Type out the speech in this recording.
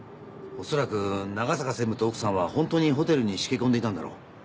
おそらく長坂専務と奥さんは本当にホテルにしけこんでいたんだろう。